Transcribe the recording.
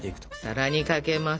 さらにかけます。